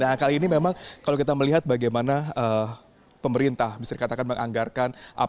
nah kali ini memang kalau kita melihat bagaimana pemerintah bisa dikatakan menganggarkan apbn cukup besar sekali